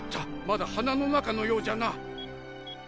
まだ鼻の中のようじゃな。